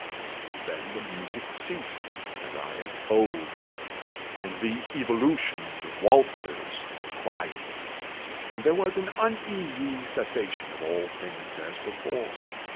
And then the music ceased, as I have told; and the evolutions of the waltzers were quieted; and there was an uneasy cessation of all things as before.